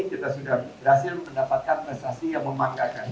kita sudah berhasil mendapatkan prestasi yang membanggakan